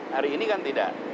hari ini kan tidak